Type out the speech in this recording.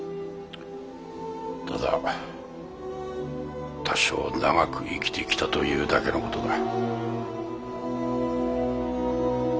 ただ多少長く生きてきたというだけの事だ。